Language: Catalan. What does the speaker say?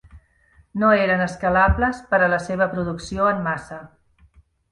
No eren escalables per a la seva producció en massa.